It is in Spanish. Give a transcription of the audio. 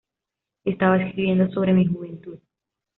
Estaba escribiendo sobre mi juventud.